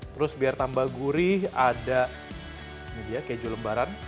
terus biar tambah gurih ada ini dia keju lembaran